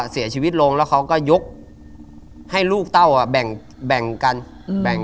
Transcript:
เสียชีวิตลงแล้วเค้าก็ยกให้ลูกเต้าแบ่ง